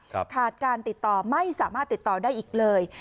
ขาดการติดต่อไม่สามารถติดต่อได้อีกเลย